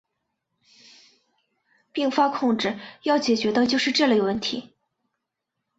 并发控制要解决的就是这类问题。